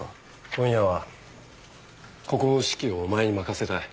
今夜はここの指揮をお前に任せたい。